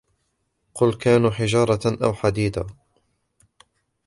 قُلْ كُونُوا حِجَارَةً أَوْ حَدِيدًا